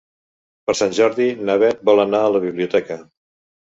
Per Sant Jordi na Beth vol anar a la biblioteca.